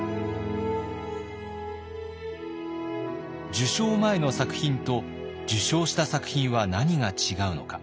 受賞前の作品と受賞した作品は何が違うのか。